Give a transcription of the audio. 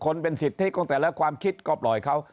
เป็นสิทธิของแต่ละความคิดก็ปล่อยเขา